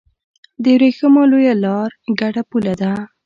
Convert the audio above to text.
د ورېښمو لویه لار ګډه پوله ده.